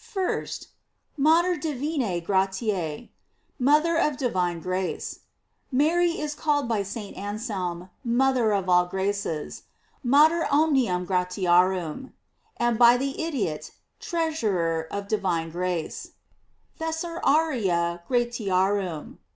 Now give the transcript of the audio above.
1st, "Mater divinaegratiae:" Mother of divine grace. Mary is called by St. Anselm: Mother of all graces: "Mater omnium gratiarura." And by the Idiot: Treasurer of divine grace: "Thesauraria gratiarum.